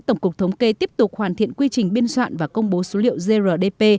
tổng cục thống kê tiếp tục hoàn thiện quy trình biên soạn và công bố số liệu grdp